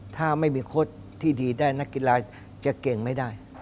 ถ้าไม่มีโค้ดที่ดีได้นักกีฬาจะเก่งไม่ได้